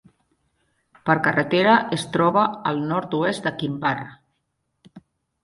Per carretera es troba al nord-oest de Kinvarra.